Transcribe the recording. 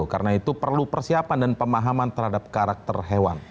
karena itu perlu persiapan dan pemahaman terhadap karakter hewan